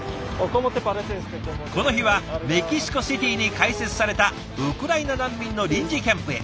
この日はメキシコシティに開設されたウクライナ難民の臨時キャンプへ。